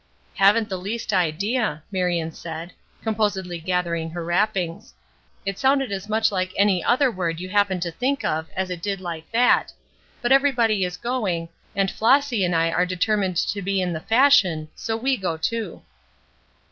"Haven't the least idea," Marion said, composedly gathering her wrappings; "it sounded as much like any other word you happen to think of as it did like that, but everybody is going, and Flossy and I are determined to be in the fashion so we go too."